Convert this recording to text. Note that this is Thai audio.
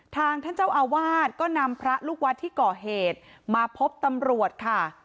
ท่านเจ้าอาวาสก็นำพระลูกวัดที่ก่อเหตุมาพบตำรวจค่ะ